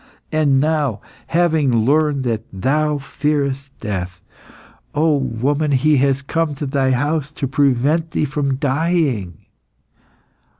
And now, having learned that thou fearest death, O woman, He has come to thy house to prevent thee from dying.